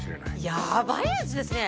やばい奴ですね